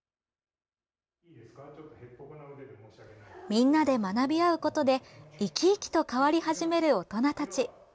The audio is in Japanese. みんなで学び合うことで生き生きと変わり始める大人たち。